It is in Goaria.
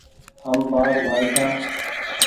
هم پآنچ بآئي ڇآن